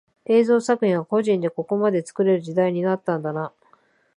映像作品は個人でここまで作れる時代になったんだな